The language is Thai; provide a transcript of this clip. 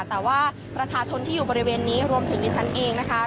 แต่ว่าประชาชนที่อยู่บริเวณนี้รวมถึงดิฉันเองนะคะ